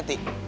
ya gak ti